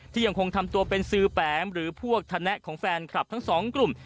ยังคงทำตัวเป็นซื้อแปมหรือพวกธนะของแฟนคลับทั้งสองกลุ่ม